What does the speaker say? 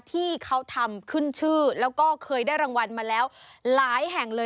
ที่เขาทำขึ้นชื่อแล้วก็เคยได้รางวัลมาแล้วหลายแห่งเลย